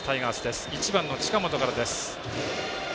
バッター、１番の近本からです。